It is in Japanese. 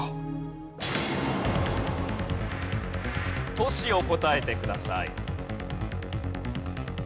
都市を答えてください。